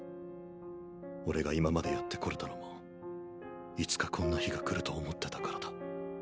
俺が今までやってこれたのもいつかこんな日が来ると思ってたからだ。